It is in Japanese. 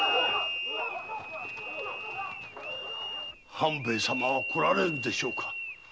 半兵衛様は来られるでしょうか？